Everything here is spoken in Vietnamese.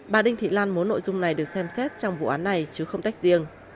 bà đinh thị lan muốn nội dung này được xem xét trong vụ án này chứ không tách riêng